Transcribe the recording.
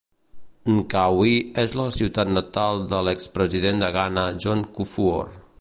Nkawie és la ciutat natal de l'ex president de Ghana John Kufuor.